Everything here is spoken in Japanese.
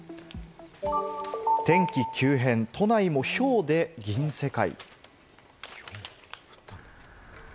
天気急変、都内もひょうで銀世界。